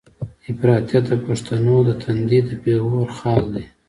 افراطيت د پښتنو د تندي د پېغور خال دی.